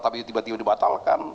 tapi tiba tiba dibatalkan